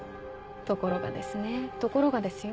ところがですねところがですよ？